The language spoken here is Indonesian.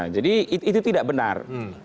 jadi itu tidak benar